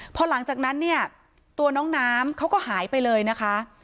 พอหลังจากนั้นเนี่ยตัวน้องน้ำเขาก็หายไปเลยนะคะ